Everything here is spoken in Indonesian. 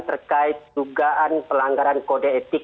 terkait dugaan pelanggaran kode etik